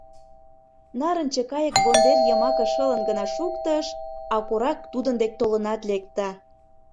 Нарынче кайык вондер йымаке шылын гына шуктыш, а корак тудын дек толынат лекте.